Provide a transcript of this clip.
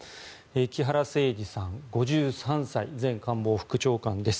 木原誠二さん、５３歳前官房副長官です。